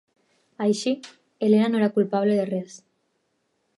Així, Helena no era culpable de res.